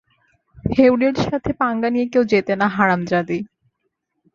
হেউডের সাথে পাঙ্গা নিয়ে কেউ জেতে না, হারামজাদী!